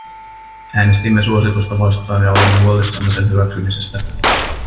Äänestimme suositusta vastaan ja olemme huolissamme sen hyväksymisestä.